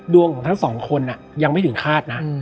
ของทั้งสองคนยังไม่ถึงคาดนะ